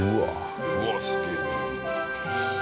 うわあすげえ。